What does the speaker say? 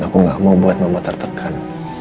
aku gak mau buat mama tertekan